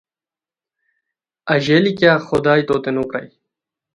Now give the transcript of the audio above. اژیلی کیاغ خدائے توتے نو پرائے